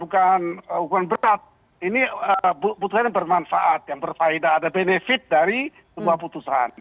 bukan hukuman berat ini putusan yang bermanfaat yang berfaeda ada benefit dari sebuah putusan